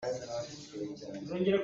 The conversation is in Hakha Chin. Zunthlum zawtnak na ngei maw?